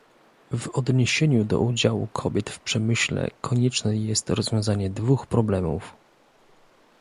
W odniesieniu do udziału kobiet w przemyśle konieczne jest rozwiązanie dwóch problemów